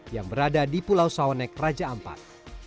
yang berada di pulau sawanek raja ampat